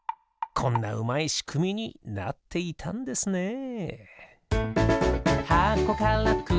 こんなうまいしくみになっていたんですね。